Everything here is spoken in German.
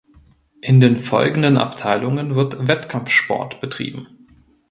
In den folgenden Abteilungen wird Wettkampfsport betrieben.